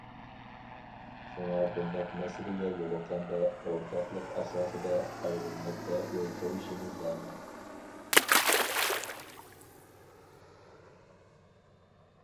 شۇڭا، بۇنداق مەسىلىگە يولۇققاندا ئورتاقلىق ئاساسىدا ئايرىملىققا يول قويۇشىمىز لازىم.